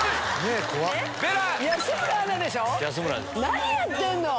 何やってんの？